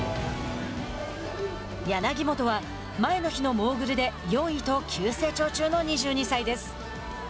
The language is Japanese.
柳本は、前の日のモーグルで４位と急成長中の２２歳です。